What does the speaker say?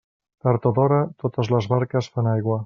Tard o d'hora, totes les barques fan aigua.